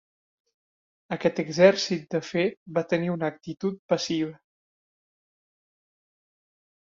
Aquest exèrcit de fet va tenir una actitud passiva.